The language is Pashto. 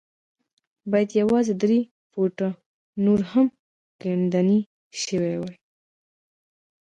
بايد يوازې درې فوټه نور هم کيندنې شوې وای.